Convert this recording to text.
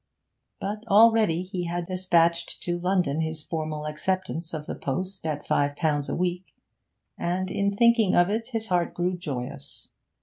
But already he had despatched to London his formal acceptance of the post at five pounds a week, and in thinking of it his heart grew joyous.